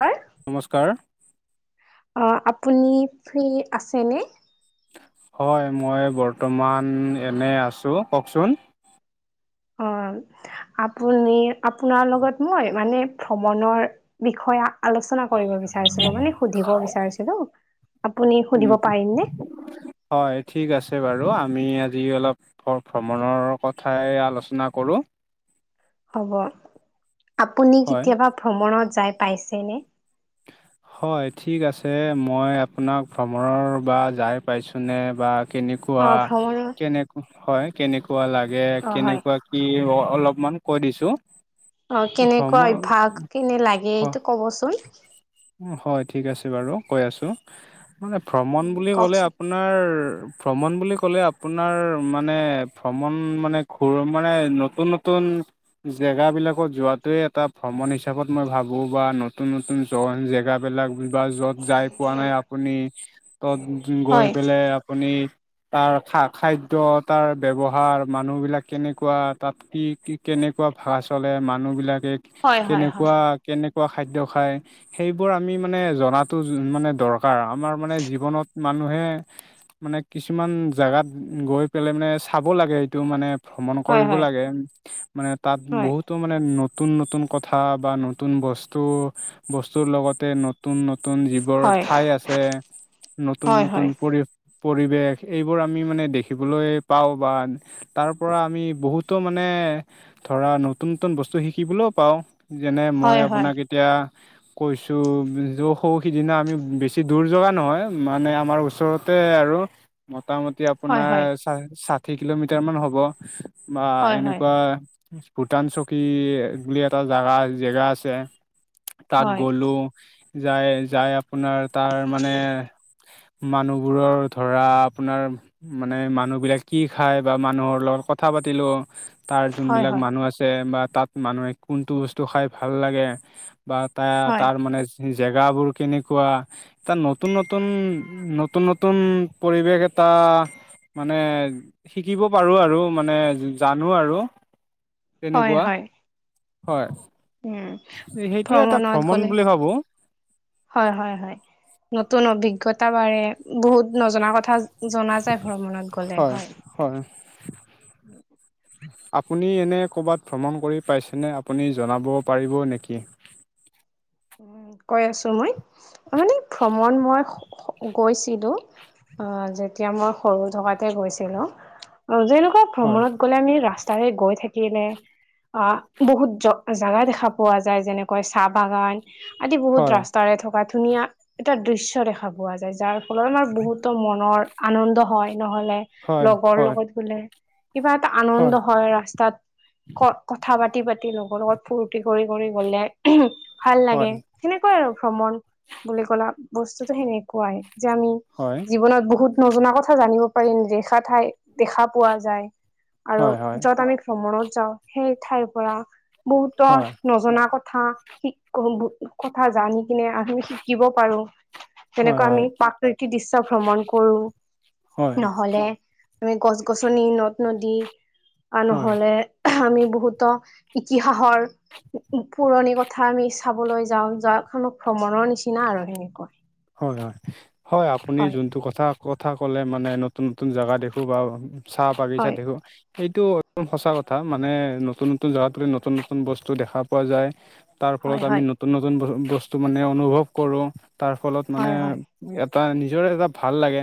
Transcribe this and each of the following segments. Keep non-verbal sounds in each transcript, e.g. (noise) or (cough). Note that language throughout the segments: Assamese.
হয় নমস্কাৰ অ আপুনি ফ্ৰি আছে নে হয় মই বৰ্তমান এনে আছো কওকচোন। হল আপুনি আপোনাৰ লগত মই মানে ভ্ৰমণৰ বিষয়ে আলোচনা আলোচনা কৰিব বিচাৰিছিলো মানে সুধিব বিচাৰিছিলো আপুনি উম, সুধিব পাৰিম নে হয় ঠিক আছে বাৰু আমি আজি অলপ ভ ভ্ৰমণৰ কথাই আলোচনা কৰো। হ'ব আপুনি হয় কেতিয়াবা ভ্ৰমণত যাই পাইছেনে হয় ঠিক আছে মই আপোনাক ভ্ৰমণৰ বা যাই পাইছোঁনে বা কেনেকুৱা অ', ভ্ৰমণত কেনে হয় কেনেকুৱা লাগে অ', হয়। কেনেকুৱা কি অলপমান কৈ দিছো। অ কেনেকুৱা অভ্যাস কেনে লাগে এইটো কবচোন। হয় ঠিক আছে বাৰু কৈ আছো মানে ভ্ৰমণ উম, বুলি ক'লে কওকচোন। আপোনাৰ ভ্ৰমণ বুলি ক'লে আপোনাৰ মানে ভ্ৰমণ মানে ঘুৰ মানে নতুন নতুন জেগাবিলাকত যোৱাটোৱে এটা ভ্ৰমণ হিচাপত মই ভাবো বা নতুন নতুন তন জেগাবিলাক বা য'ত যাই পোৱা নাই আপুনি তত গৈ পেলাই আপুনি তাৰ খা-খাদ্য তাৰ ব্যৱহাৰ মানুহ বিলাক কেনেকুৱা তাত কি কি কেনেকুৱা ভাষা চলে মানুহবিলাকে হয়, হয়, হয়, কেনেকুৱা কেনেকুৱা খাদ্য খাই সেইবোৰ আমি মানে জনাতো মানে দৰকাৰ। অ আমাৰ মানে জীৱনত মানুহে মানে কিছুমান জাগাত গৈ পেলাই মানে চাব লাগে সেটো মানে ভ্ৰমণ হয়, কৰিব হয়, লাগে মানে তাত হয়, বহুত তো মানে নতুন নতুন কথা বা নতুন বস্তু বস্তুৰ লগতে নতুন নতুন যি বোৰ হয়, ঠাই আছে নতুন হয়, নতুন হয়, পৰি পৰিৱেশ এইবোৰ আমি মানে দেখিবলৈ পাওঁ বা তাৰ পৰা আমি বহুতো মানে ধৰা নতুন নতুন বস্তু শিকিবলৈও পাওঁ যেনে মই হয়, হয়। হয়, হয়, আপোনাক এতিয়া কৈছো যৌ সৌ সিদিনা আমি বেছি দূৰ জাগা নহয় মানে আমাৰ ওচৰতে আৰু মোটামুটি হয়, আপোনাৰ হয়, ষা ষাঠি কিলোমিটাৰ মান হ'ব বা এনেকুৱা ভূটান চকী বুলি এটা জেগা জেগা আছে। তাত হয়, গলো যাই যাই আপোনাৰ তাৰ মানে মানুহবোৰৰ ধৰা আপোনাৰ মানে মানুহবিলাক কি খাই বা মানুহৰ লগত কথা পাতিলো তাৰ হয়, যোনবিলাক হয়, মানুহ আছে বা তাত মানুহে কোনটো বস্তু খাই ভাল লাগে বা তা হয়। তাৰ মানে জেগাবোৰ কেনেকুৱা এটা নতুন নতুন, নতুন নতুন পৰিৱেশ এটা মানে শিকিব পাৰোঁ আৰু মানে জানো আৰু। হয় তেনেকুৱা হয় হয়। উম। যি সেইটোয়ে এটা ভ্ৰমণত ভ্ৰমণ গ'লে বুলি ভাবো। হয় হয় হয়, নতুন অভিজ্ঞতা বাঢ়ে, বহুত নজনা কথা জনা যায় ভ্ৰমণত গ'লে হয়। হয়। উ (inaudible) আপুনি এনে ক'ৰবাত ভ্ৰমণ কৰি পাইছেনে আপুনি জনাব পাৰিব নেকি? উম কৈ আছো মই মানে ভ্ৰমণ মই হ গৈছিলোঁ, অ যেতিয়া মই সৰু থকাতে গৈছিলোঁ। অ যেনেকুৱা হয় ভ্ৰমণত গলে আমি ৰাস্তাৰে গৈ থাকিলে আ বহুত জ জাগা দেখা পোৱা যায় যেনেকৈ চাহ বাগান আদি বহুত হয় ৰাস্তাৰে থকা ধুনীয়া এটা দৃশ্য দেখা পোৱা যায় যাৰ ফলত আমাৰ বহুতো মনৰ আনন্দ হয় নহ'লে হয় লগৰ হয় লগত গলে, কিবা এটা আনন্দ হয় ৰাস্তাত। ক কথা পাতি পাতি লগৰ লগত ফুৰ্তি কৰি কৰি গলে উহু ভাল লাগে। হয় সেনেকুৱাই আৰু ভ্ৰমণ বুলি কলা বস্তুটো সেনেকুৱাই যে আমি হয় জীৱনত বহুত নজনা কথা জানিব পাৰিম ৰেখা ঠাই দেখা পোৱা যায় আৰু হয় হয় যত আমি ভ্ৰমণত যাওঁ সেই ঠাইৰ পৰা। বহুতৰ হয় নজনা কথা শিক কৰো ক কথা জানি কিনে আ আমি শিকিব পাৰো তেনেকুৱা হয় আমি প্ৰাকৃতিক দৃশ্য ভ্ৰমণ কৰো। হয় নহলে আমি গছ - গছনি, নদ - নদী আৰু হয় নহলে আঁহ আমি বহুতো ইতিহাসৰ পু -পুৰণি কথা আমি ইচ চাবলৈ যাওঁ, যোৱাখনক ভ্ৰমণৰ নিচিনা আৰু সেনেকৈ। হয় হয়, হয় আপুনি যোনটো কথা - কথা ক'লে মানে নতুন নতুন জাগা দেখো বা চাহ বাগিছা হয় দেখো এইটো একদম সঁচা কথা মানে নতুন নতুন জাগাটো নতুন নতুন বস্তু দেখা পোৱা যায়। তাৰ হয় ফলত আমি হয় নতুন নতুন ব বস্তু মানে অনুভৱ কৰো তাৰ ফলত মানে হয় এটা নিজৰে এটা ভাল লাগে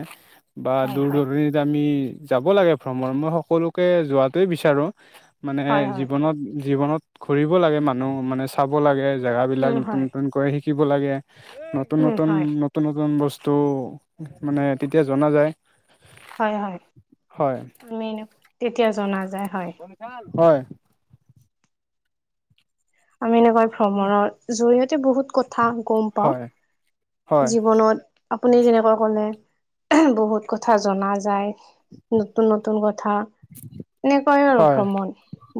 বা হয় হয় দূৰ হয় দূৰণিতে আমি যাব লাগে ভ্ৰমণ মই সকলোকে যোৱাটোৱেই বিচাৰোঁ মানে হয় হয় জীৱনত - জীৱনত ঘুৰিব লাগে মানুহ মানে চাব লাগে জেগাবিলাক উম নতুন হয় নতুনকৈ শিকিব লাগে, ন নতুন উম নতুন, হয় নতুন নতুন বস্তু মানে তেতিয়া জনা যায়। হয় হয় হয় আমি তেতিয়া জনা যায় হয়। হয়। আমি এনেকুৱা ভ্ৰমণৰ জৰিয়তে বহুত কথা গম পাওঁ। হয় হয় জীৱনত আপুনি যেনেকুৱা কলে আঁহ বহুত কথা জনা যায়। নতুন নতুন কথা এনেকাই আৰু ভ্ৰমণ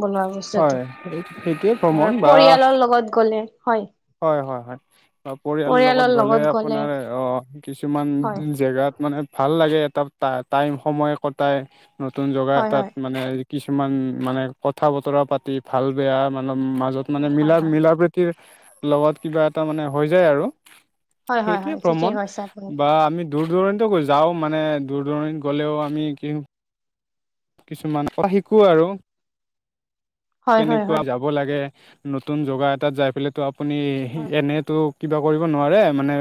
বনোৱা বস্তুটো। এইটো - সেইটোত আমাৰ পৰিয়ালৰ লগত গ'লে হয়। হয়-হয়-হয় (unintelligible) বা পৰিয়ালৰ লগত গ'লে আপোনাৰ অ কিছুমান হয় জেগাত মানে (inaudible) ভাল লাগে এটা টাইম সময় কটাই নতুন জেগা হয় এটাত হয় মানে (unintelligible) কিছুমান মানে কথা বতৰা পাতি ভাল বেয়া মানে মাজত মানে উম হয় হয় মিলা-মিলা প্ৰীত (unintelligible) (inaudible) লগত কিবা এটা মানে হৈ যায় আৰু। হয় হয় সেইটোৱেই হয় ঠিকেই প্ৰমাণ কৈছে আপুনি বা আমি (unintelligible) দূৰ দূৰণিত যাওঁ মানে দূৰ দূৰণিত গ'লেও আমি কি (unintelligible) কিছুমান কথা শিকো আৰু। হয় হয় কেনেকুৱা যা হয় (unintelligible) যাব লাগে। নতুন জেগা এটাত যাই পেলাইতো আপুনি হয় এনেইতো (unintelligible) কিবা কৰিব নোৱাৰে মানে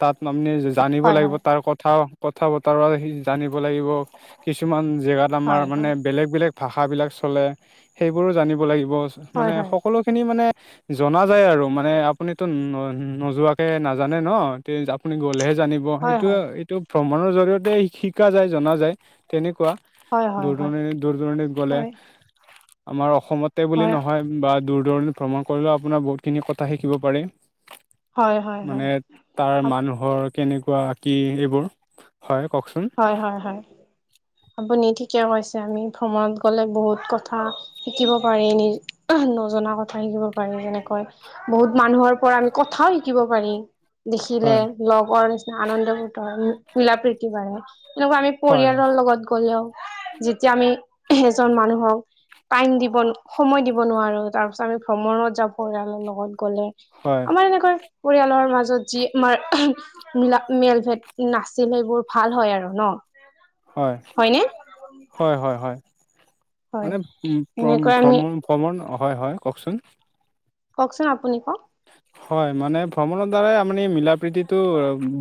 তাত আপুনি জানিব হয় লাগিব হয় তাৰ কথাও (unintelligible) কথা বতৰা জানিব লাগিব। কিছুমান জেগাত আমাৰ হয় মানে (inaudible) বেলেগ-বেলেগ ভাষাবিলাক চলে। সেইবোৰো জানিব লাগিব হয় মানে হয় হয় সকলোখিনি মানে (unintelligible) জনা যায় আৰু মানে আপুনিতো নোযোৱাকে নাজানে ন। ত আপুনি গ'লেহে জানি (unintelligible) সেইটোৱে হয় হয় এইটো ভ্ৰমণৰ জৰিয়তে শিকা যায়, জনা যায় তেনেকুৱা (unintelligible) হয় হয় হয় হয় দূৰ-দূৰণিত, দূৰ-দূৰণিত গ'লে আমাৰ অসমতে বুলি নহয় (inaudible) বা দূৰ-দূৰণিত ভ্ৰমণ কৰিলেও আপোনাৰ বহুতখিনি কথা শিকিব পাৰে। (unintelligible) হয় হয় হয় হয় হয় মানে তাৰ মানুহৰ কেনেকুৱা কি এইবোৰ। হয় কওক চোন? (inaudible) হয়-হয়-হয় আপুনি ঠিকে কৈছে আমি ভ্ৰমণত গলে বহুত কথা (unintelligible) শিকিব পাৰি। নি (inaudible) নজনা কথা শিকিব পাৰি যেনেকৈ বহুত মানুহৰ পৰা আমি কথাও শিকিব পাৰিম। (unintelligible) দেখিলে হয় লগৰ নিচিনা আনন্দ (inaudible) মিলা প্ৰীতি বাঢ়ে। এনেকুৱা আমি হয় পৰিয়ালৰ লগত গলেও যেতিয়া আমি এজন মানুহক (unintelligible) টাইম দিব (inaudible) সময় দিব নোৱাৰো। তাৰ পিছত আমি ভ্ৰমণত যাব পৰিয়ালৰ লগত গ'লে (inaudible) হয় (inaudible) আমাৰ এনেকৈ পৰিয়ালৰ মাজত যি আমাৰ (inaudible) মিলা মেলভেদ নাছিল সেইবোৰ ভাল হয় আৰু ন? (unintelligible) হয়। হয়নে হয়-হয়-হয় হয়। মানে ভ্ৰমণ এনেকৈ আমি (unintelligible) ভ্ৰমণ (inaudible) হয়-হয় কওক চোন? কওক চোন আপুনি কওক? (inaudible) হয় মানে ভ্ৰমণৰ দ্বাৰাই আমি মিলা প্ৰীতিটো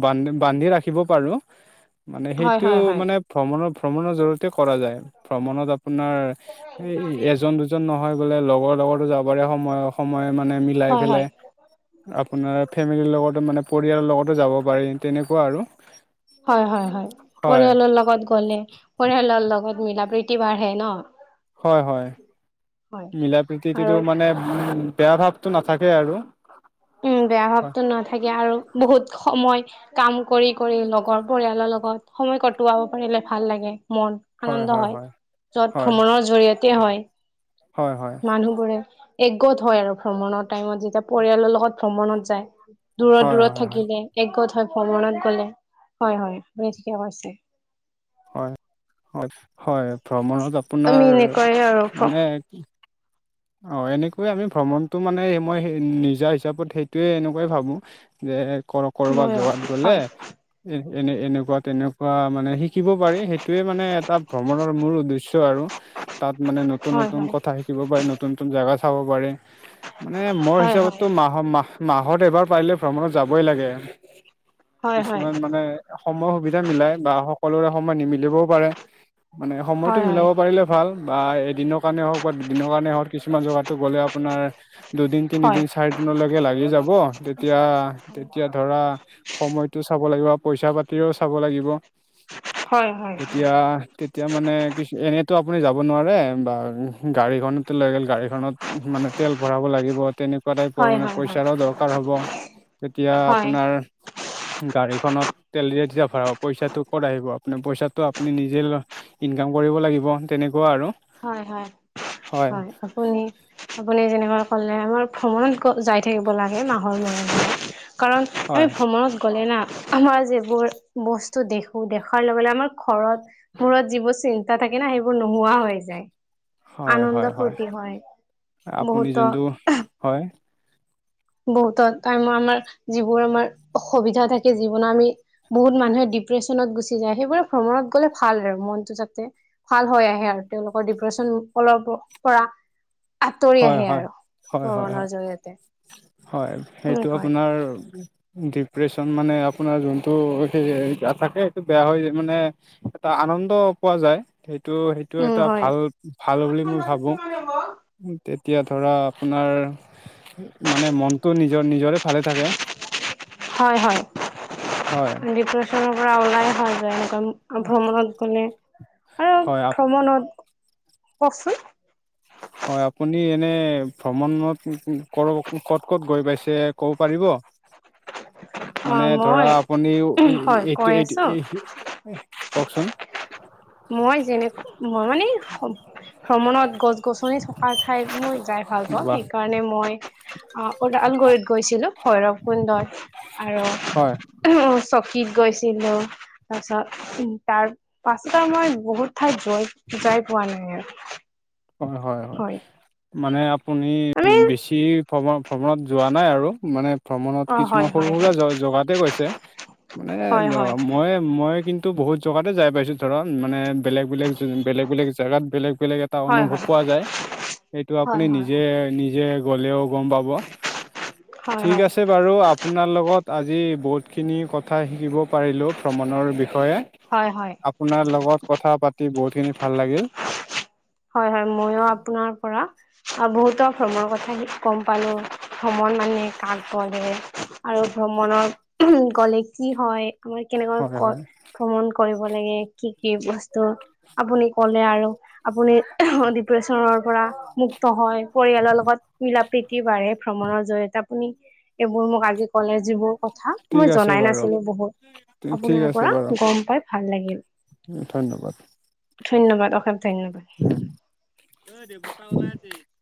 বান বান্ধি ৰাখিব পাৰোঁ। (unintelligible) হয় (inaudible) মানে সেইটো হয় হয় মানে ভ্ৰমণৰ ভ্ৰমণৰ জৰিয়তে কৰা যায়। ভ্ৰমণত আপোনাৰ (unintelligible) এ এজন, দুজন নহয় বোলে লগৰ লগতো যাব পাৰে সময় সময়ে মানে মিলাই হয় হয় পেলাই। (unintelligible) আপোনাৰ ফেমিলিৰ লগতো মানে পৰিয়ালৰ লগতো যাব পাৰি তেনেকুৱা আৰু। (unintelligible) হয়-হয়-হয়। হয় পৰিয়ালৰ লগত গলে পৰিয়ালৰ লগত মিলা প্ৰীতি বাঢ়ে ন। (unintelligible) হয়-হয়্ হয় মিলা আৰু প্ৰীতিটো মানে উম বেয়া ভাৱটো নাথাকে আৰু। (unintelligible) উম। বেয়া হয় ভাৱতো নাথাকে আৰু বহুত সময় (inaudible) কাম কৰি-কৰি লগৰ পৰিয়ালৰ লগত সময় কটোৱাব পাৰিলে ভাল লাগে মন। (unintelligible) আনন্দ হয়। যত ভ্ৰমণৰ জৰিয়তে হয়। (inaudible) হয়-হয়। (unintelligible) মানুহবোৰে একগোট হয় আৰু ভ্ৰমণৰ টাইমত। যেতিয়া পৰিয়ালৰ লগত ভ্ৰমণত যায়। (unintelligible) হয় হয় দূৰত-দূৰত হয় থাকিলে। একগোট হয় ভ্ৰমণত গলে হয়-হয় আপুনি ঠিকে কৈছে। (unintelligible) হয়। হয় (inaudible) হয় ভ্ৰমণত আপোনাৰ আমি এনেকৈয়ে আৰু মানে অঁ এনেকৈয়ে আমি ভ্ৰমণটো মানে মই সেই নিজা হিচাপত সেইটোৱেই এনেকুৱাই ভাবোঁ। (unintelligible) যে কৰ কৰবাত ময়ো জগাত গ'লে হয় (unintelligible) এনে এনে এনেকুৱা তেনেকুৱা মানে শিকিব পাৰি, সেইটোৱে মানে এটা ভ্ৰমণৰ মূল উদ্দেশ্য আৰু। তাত মানে ন তুন হয় নতুন হয় কথা শিকিব পাৰে, নতুন নতুন জাগা চাব পাৰে। মানে মোৰ হয় হিচাপত ত হয়। মাহ হ মাহত এবাৰ পাৰিলে ভ্ৰমণত যাবই লাগে, হয় হয় কিছুমান মানে সময় সুবিধা মিলাই বা সকলোৰে সময় নিমিলিবও পাৰে, মানে হয় সময়টো মিলাব হয় পাৰিলে ভাল বা এদিনৰ কাৰণে হওক বা দুদিনৰ কাৰণে হওক, কিছুমান জাগাতো গ'লে আপোনাৰ দুদিন, হয় তিনিদিন, চাৰি দিনৰলৈকে লাগি যাব, তেতিয়া, হয় তেতিয়া ধৰা সময়তটো চাব লাগিব, পইচা পাতিও চাব লাগিব। হয় হয় হয় তিতিয়া তি এতিয়া মানে কিছু এনেইতো আপুনি যাব নোৱাৰে বা গাড়ীখন লৈ গ'ল গাড়ীখনত মানে তেল ভৰাব লাগিব, তেনে নেকুৱা টাইপৰ হয় মানে হয় পইচাৰো দৰকাৰ হ'ব, তেতিয়া হয় আপোনাৰ গাড়ীখনত তেল যেতিয়া ভৰাব পইচাটো ক'ত আহিব আপুনি পইচাটো আপুনি নিজে ল ইনকাম কৰিব লাগিব তেনেকুৱা আৰু। হয় হয় হয়, আপুনি আপুনি যেনেকা ক'লে আমাৰ ভ্ৰমণত গৈ যাই থাকিব লাগে, মাহৰ মূৰে মূৰে। কাৰণ এই হয় ভ্ৰমণত গলে না আমাৰ যিবোৰ বস্তু দেখো দেখাৰ লগে লগে আমাৰ ঘৰত মূৰত যিবোৰ চিন্তা থাকে না সেইবোৰ নোহোৱা হৈ যায়। হয় হয় আনন্দ ফূৰ্তি হয়। আপুনি বহুতো যোনটো হয়। বহুতো তাৰমানে যিবোৰ আমাৰ অসুবিধা থাকে জীৱনৰ আমি বহুত মানুহে ডিপ্ৰেশনত গুচি যায়, সেইবোৰে ভ্ৰমণত গ'লে ভাল আৰু মনটো যাতে ভাল হয় আহে আৰু, তেওঁলোকৰ ডিপ্ৰেচন অলপ পৰা আঁতৰি হয় আহে হয় আৰু হয় হয় হয় ভ্ৰমণৰ জৰিয়তে। হয়, সেইটো সেনেকৈ আপোনাৰ ডিপ্ৰেশ্যন মানে আপোনাৰ যোনটো সেই এ থাকে সেইটো বেয়া হৈ যা মানে এটা আনন্দ পোৱা যায়। সেইটো সেইটো উম এটা হয়। ভাল ভাল বুলি মই ভাবো। (inaudible) তেতিয়া ধৰা আপোনাৰ মানে মনটো নিজৰ নিজৰে ভালে থাকে। হয় হয়। হয়। ডিপ্ৰেশ্যনৰ পৰা ওলাই অহা যায়, এনেকুৱা অ' ভ্ৰমণত গ'লে আৰু হয় ভ্ৰমণত কওঁকচোন। হয় আপুনি এনেই ভ্ৰমণত ক' ক'ত ক'ত গৈ পাইছে ক'ব পাৰিব? (inaudible) অ মানে ধৰা মই আপুনিও এই হয় এইটো কৈ আছো এইহ কওঁকচোন। মই যেনেকো মই মানেই ভ্ৰমণত গছ গছনি থকা ঠাইত মই যাই ভাল পাওঁ। বা সেইকাৰণে মই আহ ওদালগুৰিত গৈছিলো, ভৈৰৱ কুণ্ডত আৰু হয় (unintelligible) চকীত গৈছিলো, তাৰপিছত তাৰ ত' মই বহুত ঠাইত গৈ যাই পোৱা নাই আৰু হয় হয় হয়। মানে আপুনি আমি বেছি ভ্ৰম ভ্ৰমণত যোৱা নাই আৰু মানে ভ্ৰমণত অ কিছুমান হয় সৰু হয় সুৰা জ জগাতে গৈছে মানে হয় হয় মই মই কিন্ টো বহুত জগাতে যাই পাইছো ধৰা মানে বেলেগ বেলেগ জ বেলেগ বেলেগ জেগাত বেলেগ বেলেগ। এটা হয় হয় অনুভৱ হয় পোৱা যায়, সেইটো আপুনি হয় হয় নিজে নিজে গ'লেও গম পাব, হয় ঠিক হয় আছে বাৰু আপোনাৰ লগত আজি বহুতখিনি কথা শিকিব পাৰিলোঁ ভ্ৰমণৰ বিষয়ে। হয় হয়। আপোনাৰ লগত কথা পাতি বহুতখিনি ভাল লাগিল। হয় হয় মইো আপোনাৰ পৰা বহুতো ভ্ৰমৰ কথা গম পালো। ভ্ৰমণ মানে কাক কয় মানে আৰু ভ্ৰমণৰ গলে কি হয়। মই কেনেকৈ হয় কয়। হয় ভ্ৰমণ কৰিব লাগে, কি কি বস্তু আপুনি কলে আৰু। আপুনি ডিপ্ৰেশ্যনৰ পৰা। মুক্ত হয়, পৰিয়ালৰ লগত মিলা প্ৰীতি বাঢ়ে ভ্ৰমণৰ জৰিয়তে আপুনি এইবোৰ মোক আজি কলে যিবোৰ কথা ঠিক মই আছে জনাই বাৰু নাছিলো বহুত ঠিক আপোনাৰ আছে পৰা বাৰু গম পাই ভাল লাগিল। ধন্যবাদ। ধন্যবাদ অষেশ ধন্যবাদ। (unintelligible)